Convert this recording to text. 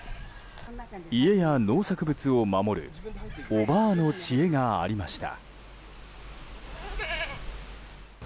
家や農作物を守るおばあの知恵がありました。